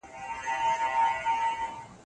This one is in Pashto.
ډېر خلک د ځمکې نوې نیمه سپوږمۍ ته پام کړی.